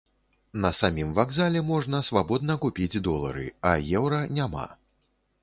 На самім вакзале можна свабодна купіць долары, а еўра няма.